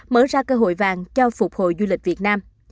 mở ra cơ hội vàng cho phục hồi du lịch việt nam